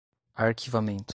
arquivamento